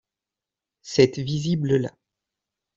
cette visible-là.